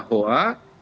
kita tahu bahwa